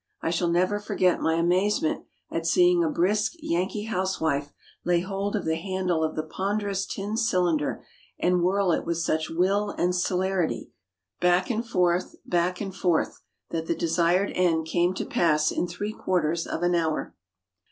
I shall never forget my amazement at seeing a brisk Yankee housewife lay hold of the handle of the ponderous tin cylinder, and whirl it with such will and celerity, back and forth, back and forth, that the desired end came to pass in three quarters of an hour.